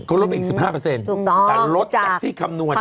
ก็ลดอีก๑๕แต่ลดจากที่คำนวณได้